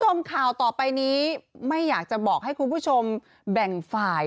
ลงคาวต่อไปนี้ไม่อยากจะบอกให้คุณผู้ชมแบ่งฝ่าย